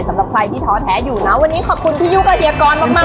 สำหรับใครที่ท้อแท้อยู่นะวันนี้ขอบคุณพี่ยุ่งกับเฮียกรมาก